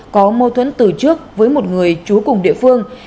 có mâu thuẫn từ trước với một người trú cùng địa phương